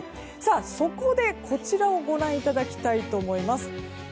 そこで、こちらをご覧いただきたいと思います。